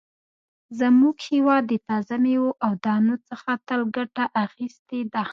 زموږ هېواد د تازه مېوو او دانو څخه تل ګټه اخیستې ده.